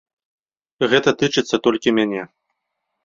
Гэта тычыцца толькі мяне.